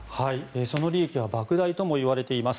その利益は莫大ともいわれています。